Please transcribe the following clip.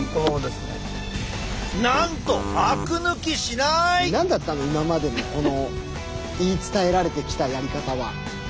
なんと何だったの今までのこの言い伝えられてきたやり方は。